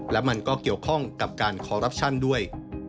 และมันก็เกี่ยวข้องกับการคอรัปชั่นด้วย